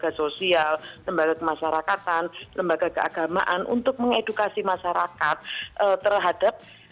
lembaga sosial lembaga kemasyarakatan lembaga keagamaan untuk mengedukasi masyarakat terhadap